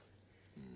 うん。